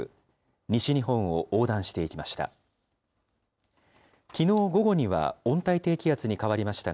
西日本を横断していきました。